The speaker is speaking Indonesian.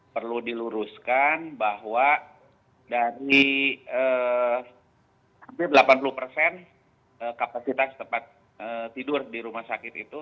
perlu diluruskan bahwa dari hampir delapan puluh persen kapasitas tempat tidur di rumah sakit itu